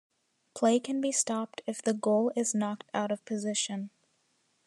Play can be stopped if the goal is knocked out of position.